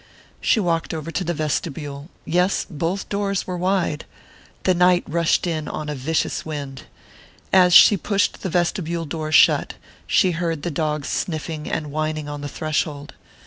She walked over to the vestibule yes, both doors were wide. The night rushed in on a vicious wind. As she pushed the vestibule door shut, she heard the dogs sniffing and whining on the threshold.